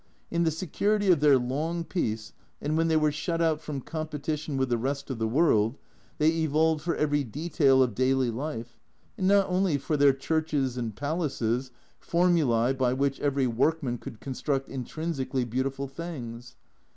In the security of their long peace, and when they were shut out from com petition with the rest of the world, they evolved for every detail of daily life, and not only for their churches and palaces, formulae by which every work man could construct intrinsically beautiful things.